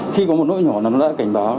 khi có một nỗi nhỏ nó đã cảnh báo